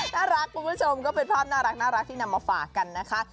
น่ารักคุณผู้ชมก็เป็นภาพน่ารักที่นำมาฝากกันนะคะ